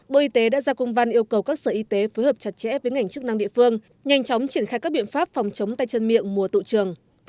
bộ y tế đã ra công văn yêu cầu các sở y tế phối hợp chặt chẽ với ngành chức năng địa phương nhanh chóng triển khai các biện pháp phòng chống tay chân miệng mùa tụ trường